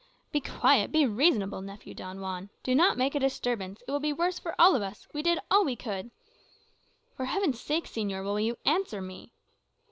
"Be quiet be reasonable, nephew Don Juan. Do not make a disturbance; it will be worse for all of us. We did all we could " "For Heaven's sake, señor, will you answer me?"